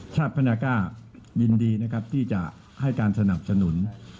พระนาก้ายินดีนะครับที่จะให้การสนับสนุน